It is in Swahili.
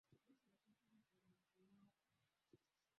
Alipofika nje alienda sehemu ya kukodi taksi akachukua gari moja